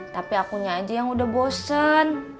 tapi akunya aja yang udah bosen